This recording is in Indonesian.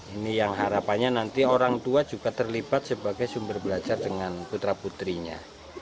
ini yang harapannya nanti orang tua juga terlibat sebagai sumber belajar dengan putra putrinya